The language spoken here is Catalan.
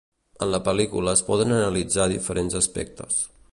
En la pel·lícula es poden analitzar diferents aspectes.